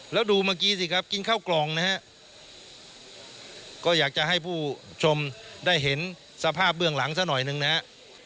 แล้วดูเมื่อกี้สิครับกินข้าวกล่องนะฮะก็อยากจะให้ผู้ชมได้เห็นสภาพเบื้องหลังซะหน่อยหนึ่งนะฮะ